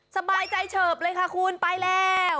สบายใจเฉิบเลยค่ะคุณไปแล้ว